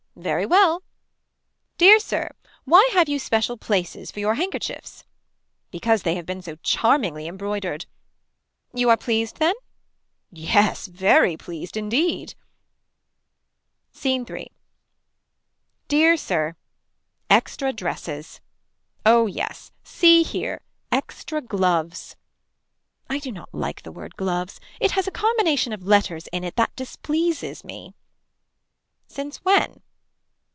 Very well. Dear Sir. Why have you special places for your handkerchiefs. Because they have been so charmingly embroidered. You are pleased then. Yes very pleased indeed. Scene 3. Dear Sir. Extra dresses. Oh yes. See here. Extra gloves. I do not like the word gloves it has a combination of letters in it that displeases me. Since when.